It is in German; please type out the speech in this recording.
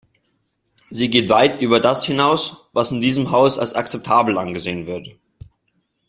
Sie geht weit über das hinaus, was in diesem Haus als akzeptabel angesehen wird.